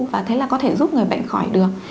và thế là có thể giúp người bệnh khỏi được